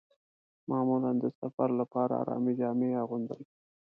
معمولاً د سفر لپاره ارامې جامې اغوندم.